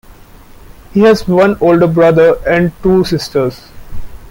He has one older brother and two sisters.